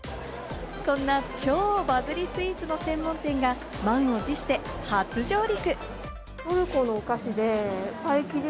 そんな超バズりスイーツの専門店が満を持して初上陸。